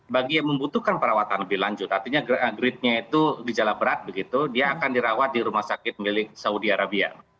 bagi yang membutuhkan perawatan lebih lanjut artinya gridnya itu gejala berat begitu dia akan dirawat di rumah sakit milik saudi arabia